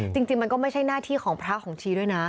จริงมันก็ไม่ใช่หน้าที่ของพระของชีด้วยนะ